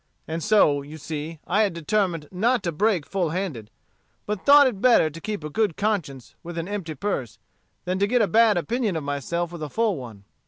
And so, you see, I determined not to break full handed, but thought it better to keep a good conscience with an empty purse, than to get a bad opinion of myself with a full one.